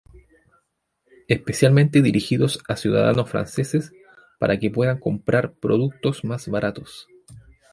Especialmente dirigidos a ciudadanos franceses para que puedan comprar productos más baratos.